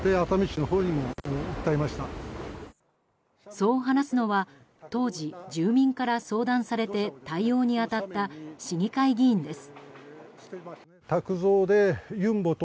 そう話すのは、当時住民から相談されて対応に当たった市議会議員です。